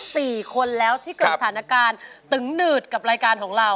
สี่คนแล้วที่เกิดสถานการณ์ตึงหนืดกับรายการของเรา